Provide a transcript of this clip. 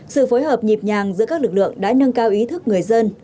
sự phối hợp nhịp nhàng giữa các lực lượng đã nâng cao ý thức người dân